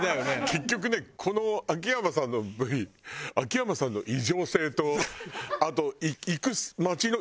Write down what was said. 結局ねこの秋山さんのＶ秋山さんの異常性とあと。